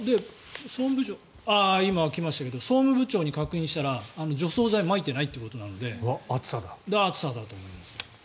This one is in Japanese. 今、来ましたけど総務部長に確認したら除草剤をまいていないということなので暑さだと思います。